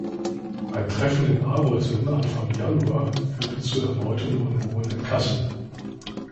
Ein Treffen in Arolsen Anfang Januar führte zu erneuten Unruhen in Kassel.